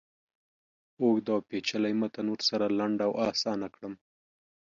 اوږد اوپیچلی متن ورسره لنډ او آسانه کړم.